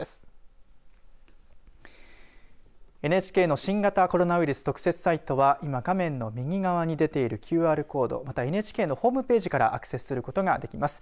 ＮＨＫの新型コロナウイルス特設サイトは今、画面の右側に出ているＱＲコードまた、ＮＨＫのホームページからアクセスすることができます。